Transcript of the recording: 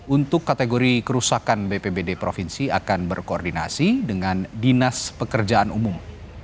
untuk kategori kerusakan bpbd provinsi akan berkoordinasi dengan dinas pekerjaan umum